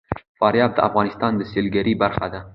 فاریاب د افغانستان د سیلګرۍ برخه ده.